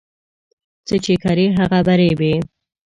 څه چي کرې، هغه به رېبې.